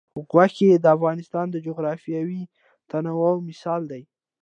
غوښې د افغانستان د جغرافیوي تنوع مثال دی.